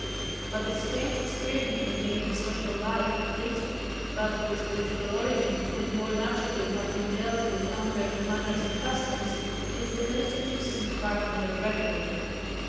But the strange experiment they made in social life which, but for its political origin, would more naturally have been dealt with under "manners and customs," is the most interesting fact in their record.